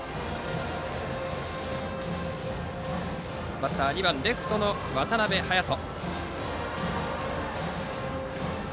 バッターは２番レフトの渡邊隼人。